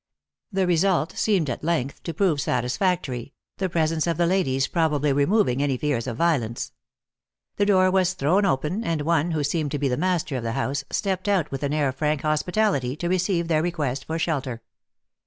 The result seemed, at length, to prove satisfactory, the presence of the ladies probably removing any fears of violence. The door was thrown open, and one, who seemed to be the master of the house, stepped out with an air of frank hospitality to receive their request for shelter.